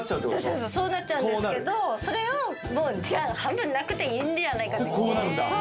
そうそうそうなっちゃうんだけどそれをもうじゃあ半分なくていいんではないかとこうなるんだ